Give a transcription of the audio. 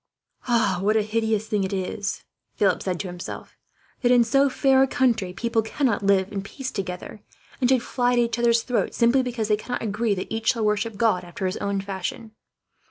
"What a hideous thing it is," Philip said to himself, "that in so fair a country people cannot live in peace together; and should fly at each other's throats, simply because they cannot agree that each shall worship God after his own fashion!